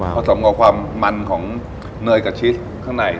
สมกับความมันของเนยกับชีสข้างใน